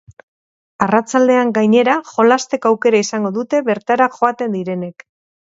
Arratsaldean, gainera, jolasteko aukera izango dute bertara joaten direnek.